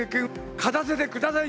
勝たせてください。